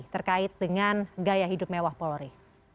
terkait dengan gaya hidup mewah polri